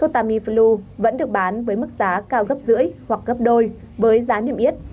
tamiflu vẫn được bán với mức giá cao gấp rưỡi hoặc gấp đôi với giá niêm yết